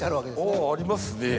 「あぁありますね」。